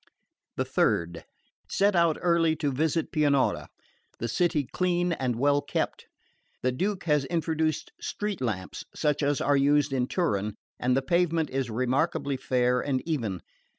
The 3rd. Set out early to visit Pianura. The city clean and well kept. The Duke has introduced street lamps, such as are used in Turin, and the pavement is remarkably fair and even.